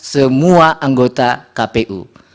semua anggota kpu